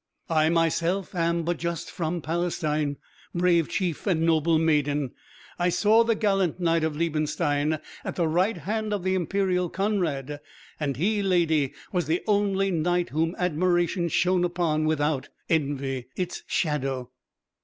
"I myself am but just from Palestine, brave chief and noble maiden. I saw the gallant knight of Liebenstein at the right hand of the imperial Conrad. And he, ladye, was the only knight whom admiration shone upon without envy, its shadow.